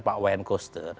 pak wayan koster